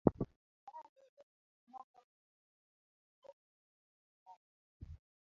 mar ariyo gik moko ok ochuno srikal